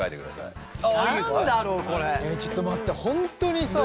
いやちょっと待って本当にさ。